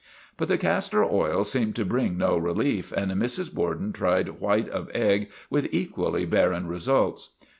But the castor oil seemed to bring no relief, and Mrs. Borden tried white of egg with equally barren results.